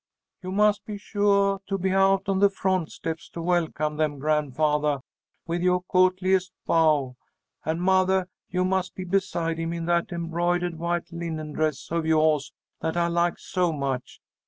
"You must be suah to be out on the front steps to welcome them, grandfathah, with yoah co'tliest bow. And mothah, you must be beside him in that embroidered white linen dress of yoahs that I like so much.